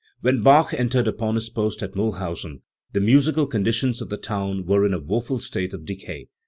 When Bach entered upon his post at Miihlhausen, the musical conditions of the town were in a woeful state of decay.